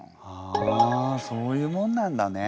あそういうもんなんだね。